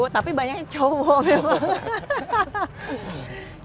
tapi banyaknya cowok memang